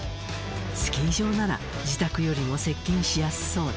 スキー場なら自宅よりも接近しやすそうだ。